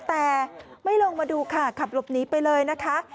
แต่ไม่ลงมาดูค่ะขับหลบหนีไปเลยนะคะ